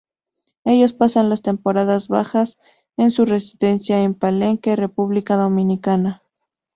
Ellos pasan las temporadas bajas en su residencia en Palenque, República Dominicana.